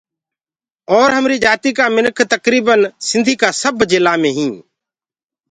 اور همريٚ جآتيٚ ڪآ مِنک تڪرٚڦن سنڌي ڪآ سب جِلآ مي هينٚ